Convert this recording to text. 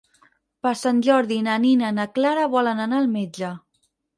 Per Sant Jordi na Nina i na Clara volen anar al metge.